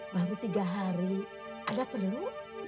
baru tiga hari ada perlu